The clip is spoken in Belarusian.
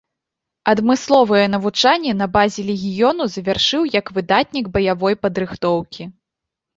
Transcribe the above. Адмысловае навучанне на базе легіёну завяршыў як выдатнік баявой падрыхтоўкі.